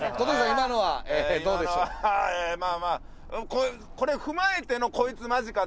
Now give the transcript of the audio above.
今のはまあまあこれ踏まえてのこいつマジか！